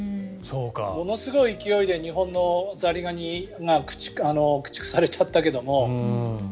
ものすごい勢いで日本のザリガニが駆逐されちゃったけれども。